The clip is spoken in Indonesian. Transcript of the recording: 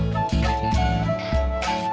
kalau saya paksa